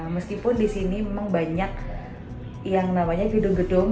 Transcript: meskipun disini memang banyak yang namanya gedung gedung